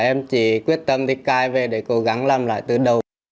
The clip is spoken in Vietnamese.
em chỉ quyết tâm đi cai về để cố gắng làm lại từ đầu